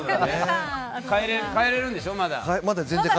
変えれるんでしょ、まだ。